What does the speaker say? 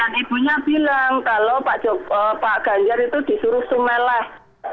dan ibunya bilang kalau pak ganjar itu disuruh sumeleh